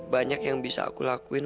banyak yang bisa aku lakuin